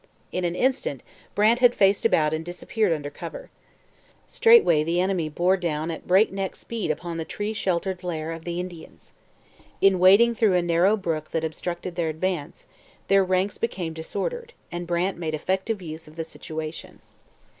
In an instant Brant had faced about and disappeared under cover. Straightway the enemy bore down at break neck speed upon the tree sheltered lair of the Indians. In wading through a narrow brook that obstructed their advance, their ranks became disordered, and Brant made effective use of the situation.